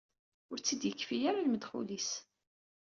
Ur tt-id-yekfi ara lmedxul-is.